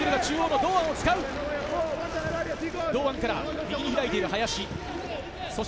堂安から右に開いている林。